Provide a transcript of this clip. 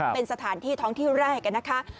เป็นสถานที่ท้องที่แรกนะคะ